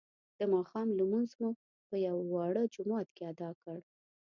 د ماښام لمونځ مو په یوه واړه جومات کې ادا کړ.